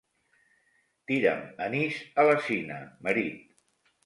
Tira'm anís a la sina, marit.